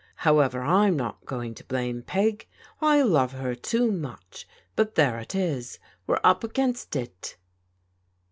However, I'm not going to blame Peg, I love her too much, but there it is. We're ' up against it.'